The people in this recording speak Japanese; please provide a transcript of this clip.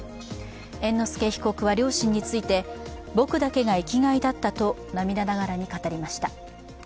猿之助被告は両親について、僕だけが生きがいだったと涙ながらに語りました。